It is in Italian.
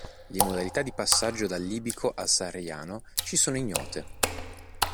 Le modalità di passaggio dal libico al sahariano ci sono ignote.